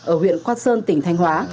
ở huyện quang sơn tỉnh thanh hóa